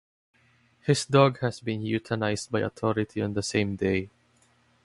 His dog has been euthanised by authority on the same day.